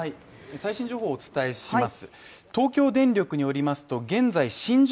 最新情報をお伝えします。